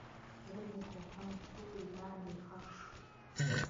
زړه مې د غم تر سیوري لاندې ښخ شو.